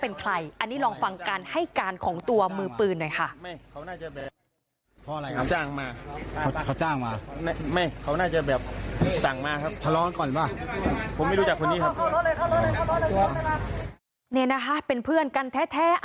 นี่นะคะเป็นเพื่อนกันแท้